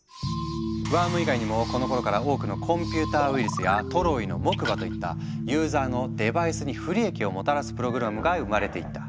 ワーム以外にもこのころから多くの「コンピューターウイルス」や「トロイの木馬」といったユーザーのデバイスに不利益をもたらすプログラムが生まれていった。